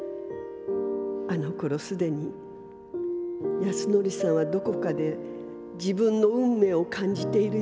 あの頃すでに安典さんはどこかで自分の運命を感じているようでした。